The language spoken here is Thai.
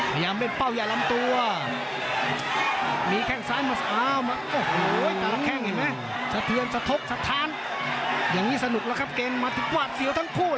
พยายามเป็นเป้ายาลำตัว